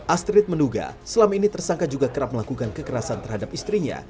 astrid menduga selama ini tersangka juga kerap melakukan kekerasan terhadap istrinya